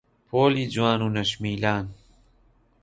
پۆلی جوان و نەشمیلان